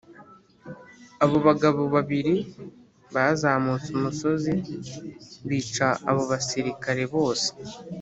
Abo bagabo babiri bazamutse umusozi bica abo basirikare bose